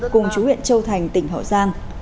cùng chú huyện châu thành tỉnh hội giang